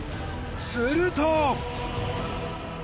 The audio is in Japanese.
すると。